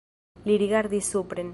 Li rigardis supren.